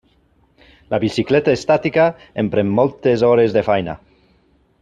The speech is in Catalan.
La bicicleta estàtica em pren moltes hores de feina.